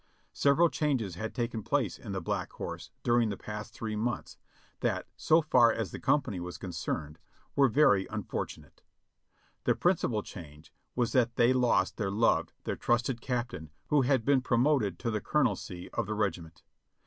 Several changes had taken place in the Black Horse during the past three months, that, so far as the company was concerned, were very unfortunate. The principal change was that they lost their loved, their trusted captain, who had been promoted to the colonelcy of the regiment.